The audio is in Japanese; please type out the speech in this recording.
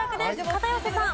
片寄さん。